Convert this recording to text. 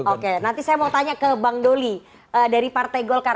oke nanti saya mau tanya ke bang doli dari partai golkar